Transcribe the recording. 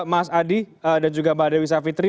mas adi dan juga mbak dewi savitri